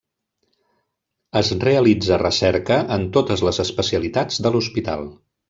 Es realitza recerca en totes les especialitats de l'hospital.